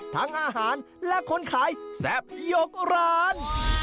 ทั้งอาหารและคนขายแซ่บยกร้าน